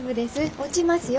落ちますよ。